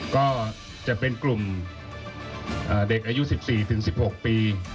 ก็จะเป็นกลุ่มเด็กอายุ๑๔ถึง๑๖ปี